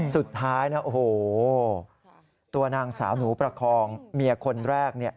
สุดท้ายนะโอ้โหตัวนางสาวหนูประคองเมียคนแรก